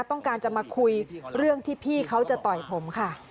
ต้องการจะมาคุยเรื่องที่พี่เขาจะต่อยผมค่ะ